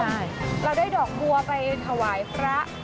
ใช่เราได้ดอกบัวไปถวายพระ